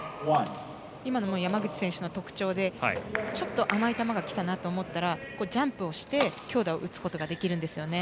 今のも山口選手の特徴でちょっと甘い球がきたなと思ったらジャンプをして強打を打つことができるんですよね。